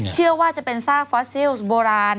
เชื่อว่าจะเป็นซากฟอสซิลโบราณ